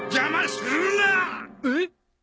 えっ？